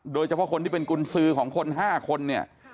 โดยเฉพาะคนที่เป็นกุญสือของคน๕คนเนี่ย